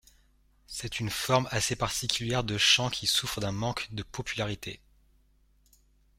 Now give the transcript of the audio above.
C'est une forme assez particulière de chant qui souffre d'un manque de popularité.